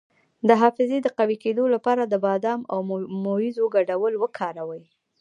د حافظې د قوي کیدو لپاره د بادام او مویزو ګډول وکاروئ